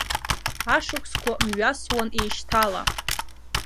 Ашықәсқәа мҩасуан еишьҭала.